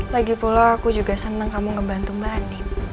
lagipula aku juga senang kamu ngebantu mbak andin